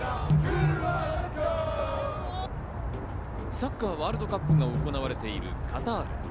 サッカーワールドカップが行われているカタール。